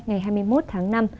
ngày hai mươi một tháng năm